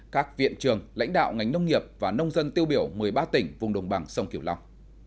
các viện trường lãnh đạo ngành nông nghiệp và nông dân tiêu biểu một mươi ba tỉnh vùng đồng bằng sông kiểu long